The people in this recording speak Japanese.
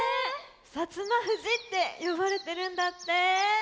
「摩富士」ってよばれてるんだって。